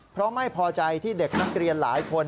เพราะไม่พอใจที่เด็กนักเรียนหลายคน